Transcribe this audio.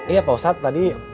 iya pak ustadz tadi